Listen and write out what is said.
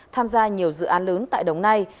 tham gia nhiều dự án lớn tại đồng nai